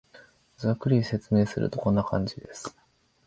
ざっくりと説明すると、こんな感じです